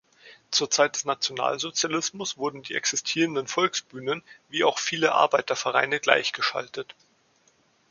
Zur Zeit des Nationalsozialismus wurden die existierenden Volksbühnen wie auch viele Arbeitervereine gleichgeschaltet.